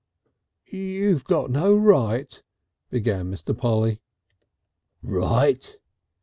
"You got no right," began Mr. Polly. "Right!"